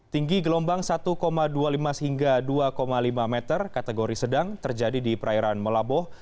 tinggi gelombang satu dua puluh lima hingga dua lima meter kategori sedang terjadi di perairan melaboh